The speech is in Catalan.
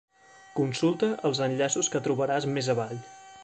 Consulta els enllaços que trobaràs més avall.